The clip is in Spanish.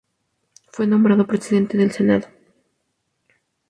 Fue nombrado presidente del Senado.